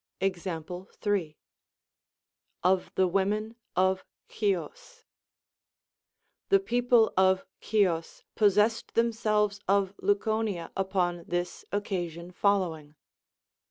Example 3. Of the Women of Chios. The people of Chios possessed themselves of Leuconla upon this occasion following.